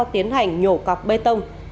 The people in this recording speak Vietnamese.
tiến hành nhổ cọc bê tông